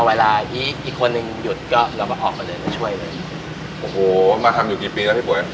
เวลาอีกอีกคนนึงหยุดก็เราก็ออกมาเลยมาช่วยเลยโอ้โหมาทำอยู่กี่ปีแล้วพี่ปุ๋ย